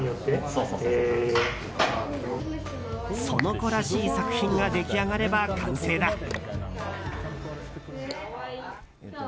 その子らしい作品が出来上がれば完成だ。